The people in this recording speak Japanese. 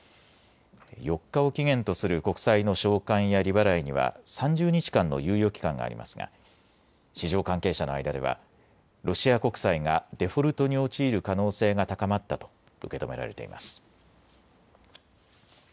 ４日を期限とする国債の償還や利払いには３０日間の猶予期間がありますが市場関係者の間ではロシア国債がデフォルトに陥る可能性が高まったと受け止められています。